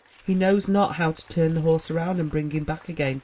He knows not how to turn the horse around and bring him back again.